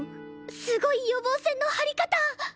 すごい予防線の張り方！